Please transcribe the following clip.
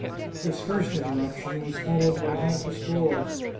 This first interruption was followed by half a score.